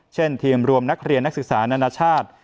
เช่นทีมรวมนักเรียนนักศึกษานานาชาติ